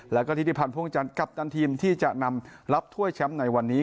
แล้วก็ธิติพันธ์พ่วงจันทร์กัปตันทีมที่จะนำรับถ้วยแชมป์ในวันนี้